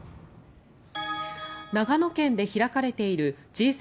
長野県で開かれているＧ７